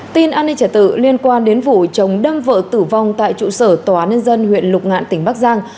tin an ninh trả tử liên quan đến vụ chồng đâm vợ tử vong tại trụ sở tòa ninh dân huyện lục ngạn tỉnh bắc giang